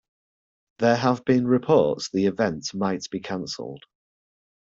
There have been reports the event might be canceled.